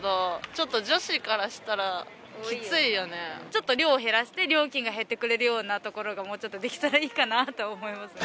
ちょっと量を減らして料金が減ってくれるようなところがもうちょっとできたらいいかなと思います